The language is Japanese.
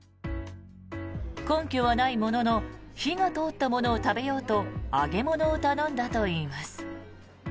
根拠はないものの火が通ったものを食べようと揚げ物を頼んだといいます。